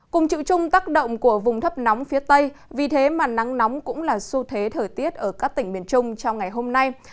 cùng chịu chung tác động của vùng thấp nóng phía tây vì thế mà nắng nóng cũng là xu thế thời tiết ở các tỉnh miền trung trong ngày hôm nay